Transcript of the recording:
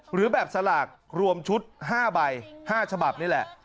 หรือแบบสลากรวมชุด๕ใบ๕ฉบับนี่แหละ